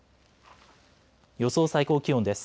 予想最高気温です。